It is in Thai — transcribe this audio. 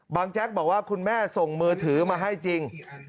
แจ๊กบอกว่าคุณแม่ส่งมือถือมาให้จริง